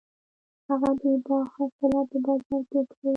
هغه د باغ حاصلات په بازار کې وپلورل.